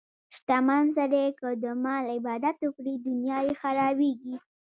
شتمن سړی که د مال عبادت وکړي، دنیا یې خرابېږي.